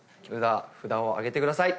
札を挙げてください。